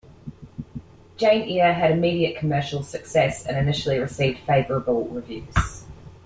"Jane Eyre" had immediate commercial success and initially received favourable reviews.